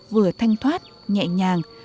vừa thanh thoát nhẹ nhàng